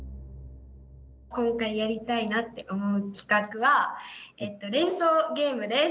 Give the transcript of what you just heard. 今回やりたいなって思う企画は「連想ゲーム」です。